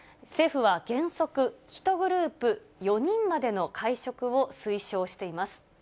政府は原則、１グループ４人までの会食を推奨しています。